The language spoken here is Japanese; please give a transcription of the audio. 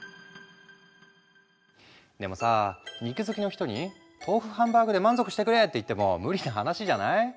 でもさ肉好きの人に豆腐ハンバーグで満足してくれって言っても無理な話じゃない？